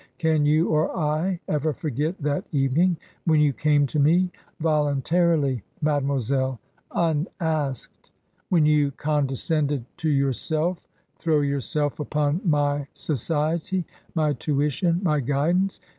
Can you or I ever forget that evening when you came to me — voluntarily, mademoiselle, unasked: — when you condescended to yourself throw yourself upon my society, my tuition, my guidance